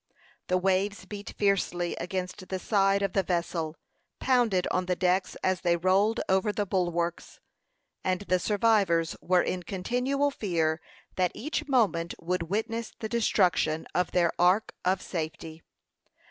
The waves beat fiercely against the side of the vessel, pounded on the decks as they rolled over the bulwarks; and the survivors were in continual fear that each moment would witness the destruction of their ark of safety.